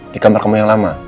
di kamar kamu yang lama